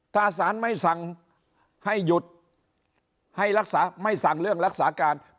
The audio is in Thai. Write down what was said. ถ้าสารไม่สั่งให้หยุดให้รักษาไม่สั่งเรื่องรักษาการ